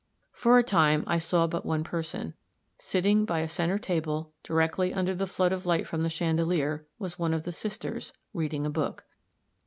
For a time I saw but one person. Sitting by a center table, directly under the flood of light from the chandelier, was one of the sisters, reading a book.